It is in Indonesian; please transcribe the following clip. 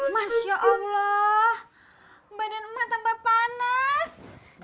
masya allah badan emak tambah panas